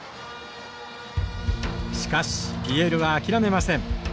しかしＰＬは諦めません。